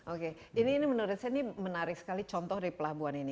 oke ini menurut saya ini menarik sekali contoh dari pelabuhan ini